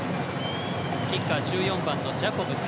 キッカー、１４番のジャコブス。